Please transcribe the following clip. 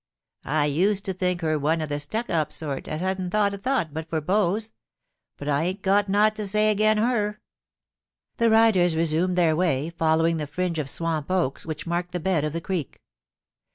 I used to think hur one of the stuck up sort as hadn't a thought but for beaus ; but I hain't got nought to say agen hur.' The riders resumed their way, following the fringe of swamp oaks which marked the bed of the creek.